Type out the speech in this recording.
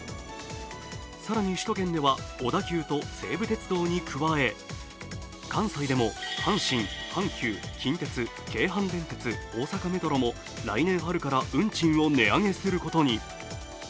更に首都圏では、小田急と西武鉄道に加え、関西でも、阪神、阪急、近鉄京阪電鉄、ＯｓａｋａＭｅｔｒｏも来年春から運賃を値上げすることに。